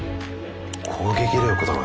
攻撃力だな。